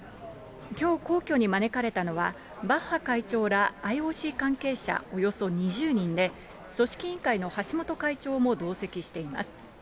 きょう、皇居に招かれたのは、バッハ会長らＩＯＣ関係者らおよそ２０人で、組織委員会の橋本会長も同席しています。